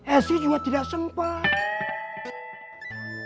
as juga tidak sempat